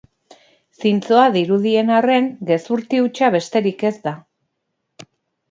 Zintzoa dirudien arren, gezurti hutsa besterik ez da.